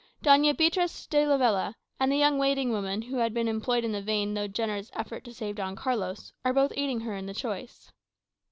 Doña Beatriz de Lavella, and the young waiting woman who had been employed in the vain though generous effort to save Don Carlos, are both aiding her in the choice.